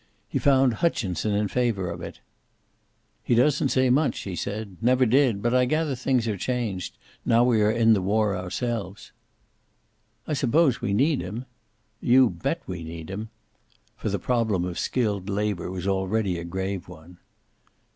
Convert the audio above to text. He found Hutchinson in favor of it. "He doesn't say much," he said. "Never did. But I gather things are changed, now we are in the war ourselves." "I suppose we need him." "You bet we need him." For the problem of skilled labor was already a grave one.